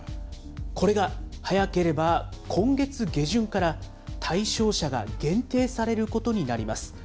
これが、早ければ今月下旬から対象者が限定されることになります。